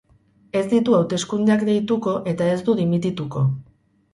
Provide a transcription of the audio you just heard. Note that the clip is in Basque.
Ez ditu hauteskundeak deituko eta ez du dimitituko.